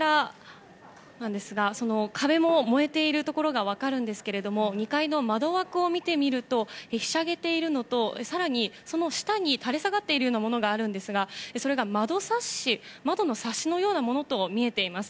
壁も燃えていることが分かるんですが２階の窓枠を見てみるとひしゃげているのと更に、その下に垂れ下がっているものがあるんですがそれが窓サッシのようなものとみています。